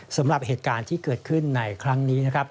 สำหรับเหตุการณ์ที่เกิดขึ้นในครั้งนี้นะครับ